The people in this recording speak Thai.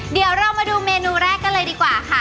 เดี๋ยวเรามาดูเมนูแรกกันเลยดีกว่าค่ะ